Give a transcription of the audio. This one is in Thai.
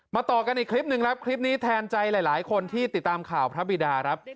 ต่อกันอีกคลิปหนึ่งครับคลิปนี้แทนใจหลายคนที่ติดตามข่าวพระบิดาครับ